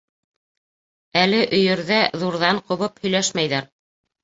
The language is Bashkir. Әле өйөрҙә ҙурҙан ҡубып һөйләшмәйҙәр.